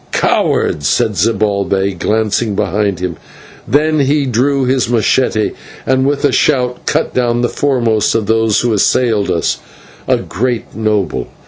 "Cowards!" said Zibalbay, glancing behind him. Then he drew his /machete/ and with a great shout cut down the foremost of those who assailed us a great noble.